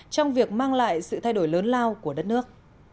trong việc mang lại sự thay đổi lớn lao của đất nước